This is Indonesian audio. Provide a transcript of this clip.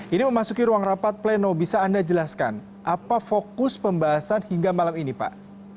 ini memasuki ruang rapat pleno bisa anda jelaskan apa fokus pembahasan hingga malam ini pak